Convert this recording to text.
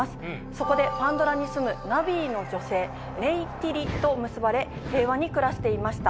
そこでパンドラに住むナヴィの女性ネイティリと結ばれ平和に暮らしていました。